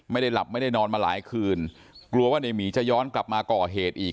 ไม่ได้หลับไม่ได้นอนมาหลายคืนกลัวว่าในหมีจะย้อนกลับมาก่อเหตุอีก